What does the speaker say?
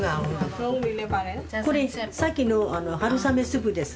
これさっきの春雨スープです。